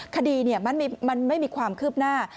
คดีมันไม่มีความคืบหน้า